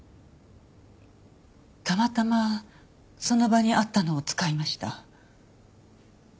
たまたまその場にあったのを使いました。